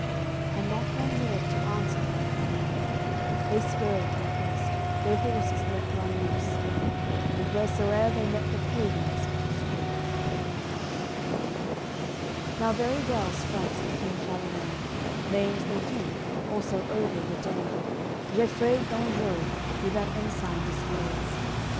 And not one word to answer him he knew; They spurred in haste, their horses let run loose, And, wheresoeer they met the pagans, strook. AOI. CCLVII Now very well strikes the King Charlemagne, Naimes the Duke, also Oger the Dane, Geifreid d'Anjou, who that ensign displays.